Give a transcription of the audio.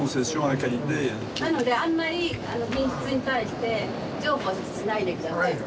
なのであんまり品質に対して譲歩しないで下さいと。